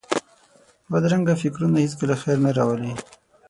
بدرنګه فکرونه هېڅکله خیر نه راولي